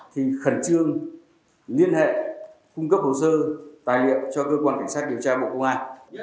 thì khẩn trương liên hệ cung cấp hồ sơ tài liệu cho cơ quan cảnh sát điều tra bộ công an